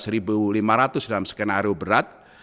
rp satu lima ratus dalam skenario berat